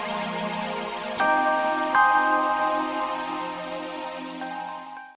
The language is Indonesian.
ya ini dia